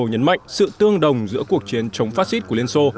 nhấn mạnh sự tương đồng giữa cuộc chiến chống phát xít của liên xô